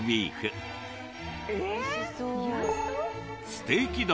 ステーキ丼。